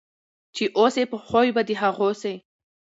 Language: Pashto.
چي اوسې په خوی به د هغو سې